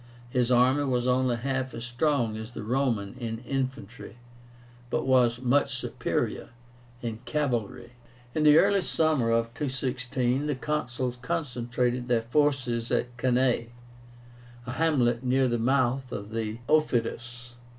His army was only half as strong as the Roman in infantry, but was much superior in cavalry. In the early summer of 216 the Consuls concentrated their forces at CANNAE, a hamlet near the mouth of the Aufidus.